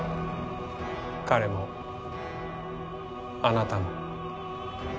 彼もあなたも。